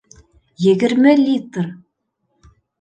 Егерме литр!